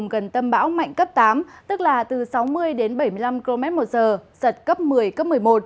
giật cấp một mươi cấp một mươi một